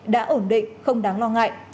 đã ổn định không đáng lo ngại